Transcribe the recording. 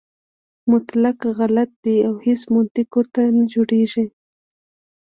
مطلق غلط دی او هیڅ منطق ورته نه جوړېږي.